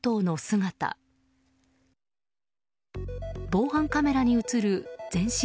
防犯カメラに映る全身